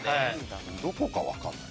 どこか分かんない。